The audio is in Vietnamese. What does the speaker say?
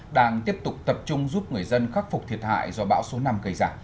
đang tiếp tục tập trung giúp người dân khắc phục thiệt hại do bão số năm gây ra